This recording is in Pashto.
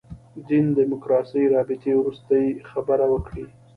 دین دیموکراسي رابطې وروستۍ خبره وکړي.